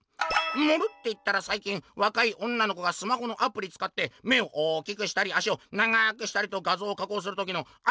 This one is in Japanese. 「『盛る』っていったらさい近わかい女の子がスマホのアプリつかって目を大きくしたり足を長くしたりと画像を加工する時のアレだよね？」。